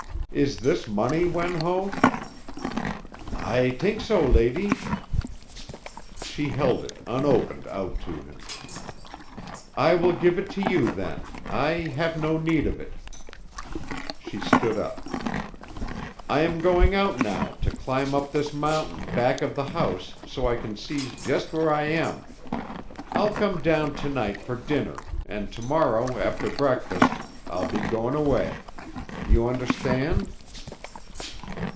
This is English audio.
"Is this money, Wen Ho?" "I tink so, lady." She held it, unopened, out to him. "I will give it to you, then. I have no need of it." She stood up. "I am going out now to climb up this mountain back of the house so's I can see just where I am. I'll come down to night for dinner and to morrow after breakfast I'll be going away. You understand?"